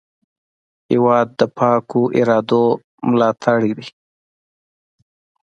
هېواد د پاکو ارادو ملاتړ دی.